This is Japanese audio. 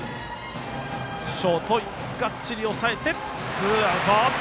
ツーアウト。